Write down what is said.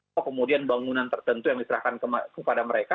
atau kemudian bangunan tertentu yang diserahkan kepada mereka